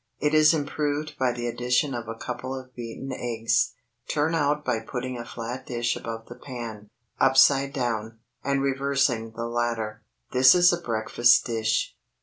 It is improved by the addition of a couple of beaten eggs. Turn out by putting a flat dish above the pan, upside down, and reversing the latter. This is a breakfast dish.